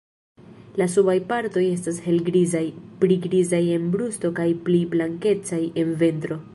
La subaj partoj estas helgrizaj, pli grizaj en brusto kaj pli blankecaj en ventro.